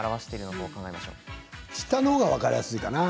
下が分かりやすいかな。